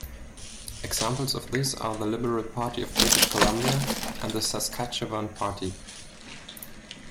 Examples of this are the Liberal Party of British Columbia and the Saskatchewan Party.